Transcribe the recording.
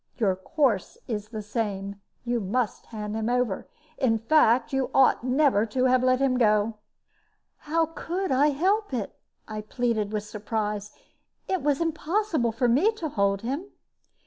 Your course is the same; you must hand him over. In fact, you ought never to have let him go." "How could I help it?" I pleaded, with surprise. "It was impossible for me to hold him."